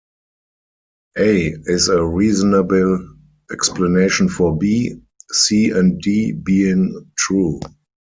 "A" is a reasonable explanation for "B", "C", and "D" being true.